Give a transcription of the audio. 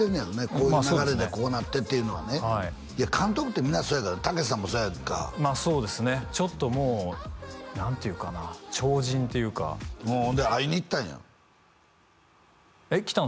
こういう流れでこうなってっていうのはねいや監督って皆そうやから武さんもそうやんかまあそうですねちょっともう何ていうかな超人っていうかおおほんで会いにいったんやえっ？